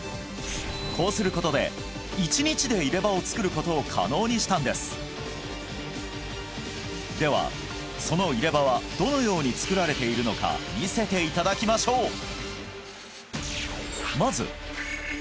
こうすることで１日で入れ歯を作ることを可能にしたんですではその入れ歯はどのように作られているのか見せていただきましょう！